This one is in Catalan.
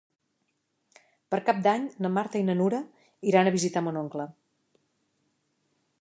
Per Cap d'Any na Marta i na Nura iran a visitar mon oncle.